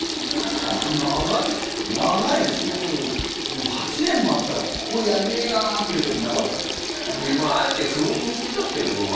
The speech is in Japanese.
でも８年もあったらここ「や切れ」だなっていう時なかったですか？